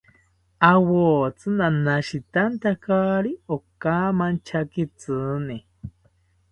Awotsi nanashitantakari okamanchakitzini